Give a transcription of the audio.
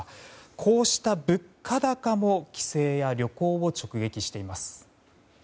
こうした物価高も帰省や旅行を直撃しています。